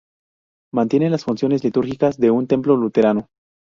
Mantiene las funciones litúrgicas de un templo luterano.